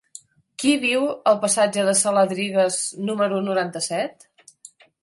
Qui viu al passatge de Saladrigas número noranta-set?